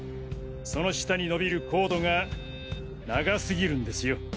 その下にのびるコードが長すぎるんですよ。